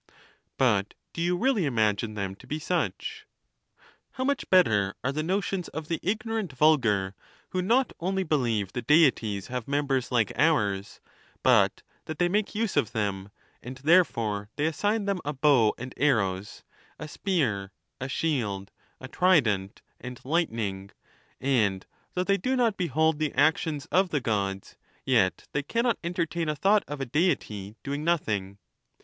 But do you really imagine them to be such ? How much better are the notions of the ignorant vulgar, who not only believe the Deities have members like ours, but that they make use of them ; and therefore they assign thom a bow and arrows, a spear, a shield, a trident, and lightning; and though they do not behold the actions of the Gods, yet they cannot entertain a thought of a Deity doing nothing.